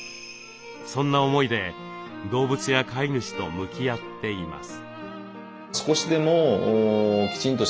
そんな思いで動物や飼い主と向き合っています。